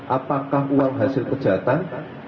apakah uang hasil kejahatan